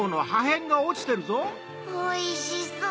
おいしそう。